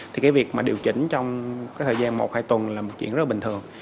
thì cái việc mà điều chỉnh trong cái thời gian một hai tuần là một chuyện rất là bình thường